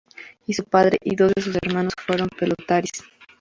Su padre y dos de sus hermanos fueron pelotaris.